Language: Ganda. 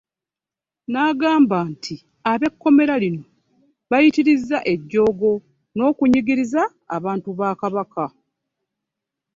N'agamba nti ab'ekkomera lino bayitirizza ejjoogo n'okunyigiriza abantu ba Kabaka.